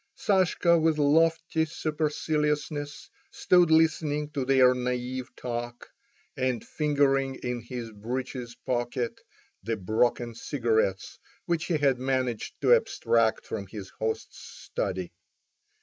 Sashka, with lofty superciliousness, stood listening to their naive talk, and fingering in his breeches pocket the broken cigarettes which he had managed to abstract from his host's study.